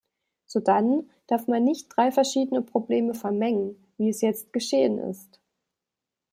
Sodann darf man nicht drei verschiedene Probleme vermengen, wie es jetzt geschehen ist.